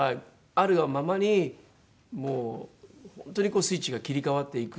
あるがままにもう本当にこうスイッチが切り替わっていく。